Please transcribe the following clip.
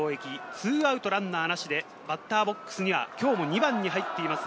２アウトランナーなしでバッターボックスには今日も２番に入っています